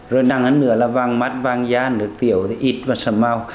rồi năng hẳn nữa là vang mát vang da nước tiểu ít và sầm mau